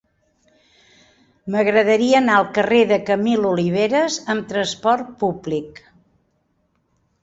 M'agradaria anar al carrer de Camil Oliveras amb trasport públic.